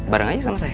bareng aja sama saya